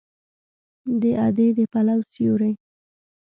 د ادې د پلو سیوری